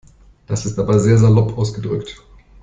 Das ist aber sehr salopp ausgedrückt.